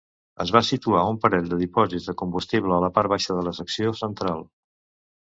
Es va situar un parell de dipòsits de combustible a la part baixa de la secció central.